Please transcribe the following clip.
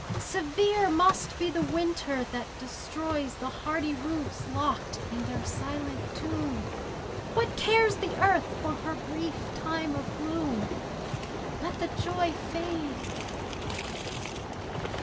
Severe must be the winter that destroys The hardy roots locked in their silent tomb. What cares the earth for her brief time of gloom Let the joy fade!